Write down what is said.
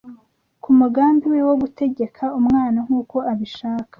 ku mugambi we wo gutegeka umwana nk’uko abishaka